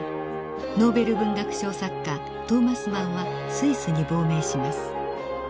ノーベル文学賞作家トーマス・マンはスイスに亡命します。